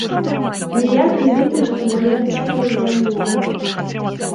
Ніякай літасці мая душа ўжо не мае.